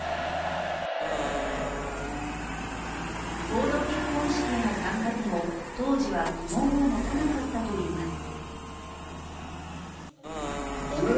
合同結婚式への参加にも、当時は疑問を持たなかったといいます。